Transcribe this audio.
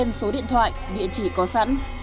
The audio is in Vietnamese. những số điện thoại địa chỉ có sẵn